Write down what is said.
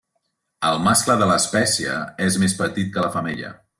El mascle de l'espècie és més petit que la femella.